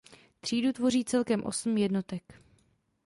Třídu tvoří celkem osm jednotek.